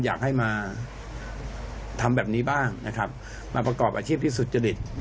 อยากให้มาทำแบบนี้บ้างมาประกอบอาชีพที่สุจริต